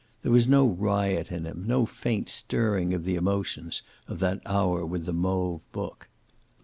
There was no riot in him, no faint stirring of the emotions of that hour with the mauve book.